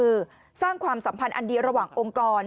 คือสร้างความสัมพันธ์อันเดียวระหว่างองค์กร